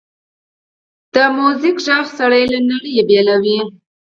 د میوزیک ږغ سړی له نړۍ بېلوي.